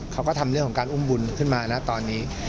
เขาก็ทำเรื่องของการอุ้มบุญขึ้นมานะตอนนี้